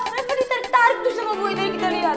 reva ditarik tarik tuh sama boy tadi kita lihat